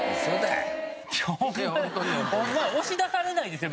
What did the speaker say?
ホンマ押し出されないですよ